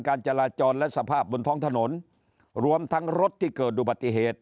การจราจรและสภาพบนท้องถนนรวมทั้งรถที่เกิดอุบัติเหตุ